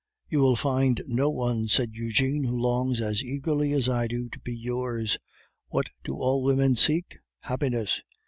"You will find no one," said Eugene, "who longs as eagerly as I do to be yours. What do all women seek? Happiness."